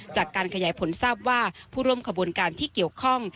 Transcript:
จากการขยายผลทราบว่าผู้ร่วมขบวนการที่เกี่ยวข้อง